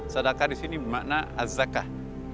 sadakah disini bermakna az zakah